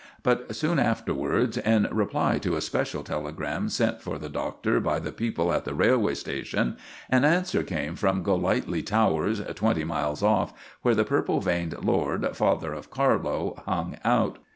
But soon afterwards, in reply to a special telegram sent for the Doctor by the people at the railway station, an answer came from Golightly Towers, twenty miles off, where the purple veined lord, father of Carlo, hung out.